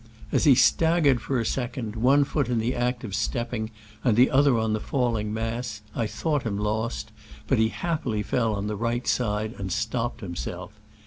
As he staggered for a second, one foot in the act of stepping and the other on the fall ing mass, I thought him lost, but he happily fell on to the right side and stop ped himself.